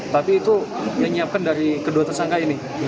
tapi itu yang menyiapkan dari kedua tersangka ini